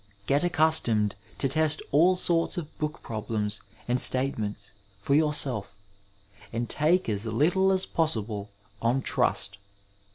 Get accustomed to test all sorts of book problems and statements for 70urBelf , and take as little as possible on trust.